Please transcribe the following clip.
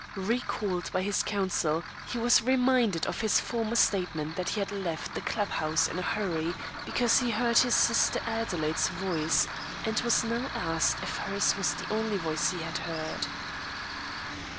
Recalled by his counsel, he was reminded of his former statement that he had left the club house in a hurry because he heard his sister Adelaide's voice, and was now asked if hers was the only voice he had heard.